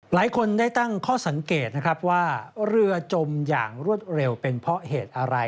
หลายคนได้ตั้งข้อสังเกตนะครับว่าเรือจมอย่างรวดเร็วเป็นเพราะเหตุอะไร